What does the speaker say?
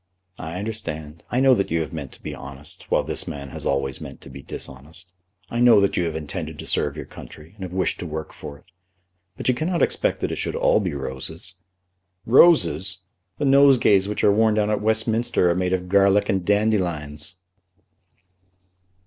"I understand. I know that you have meant to be honest, while this man has always meant to be dishonest. I know that you have intended to serve your country, and have wished to work for it. But you cannot expect that it should all be roses." "Roses! The nosegays which are worn down at Westminster are made of garlick and dandelions!"